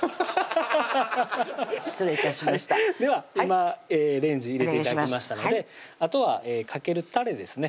ハハハハハッ失礼致しましたでは今レンジ入れて頂きましたのであとはかけるたれですね